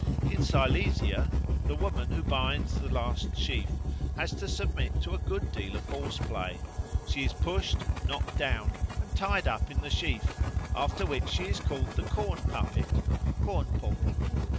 In Silesia the woman who binds the last sheaf has to submit to a good deal of horse play. She is pushed, knocked down, and tied up in the sheaf, after which she is called the corn puppet (Kornpopel).